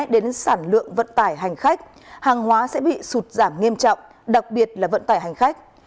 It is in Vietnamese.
đến sản lượng vận tải hành khách hàng hóa sẽ bị sụt giảm nghiêm trọng đặc biệt là vận tải hành khách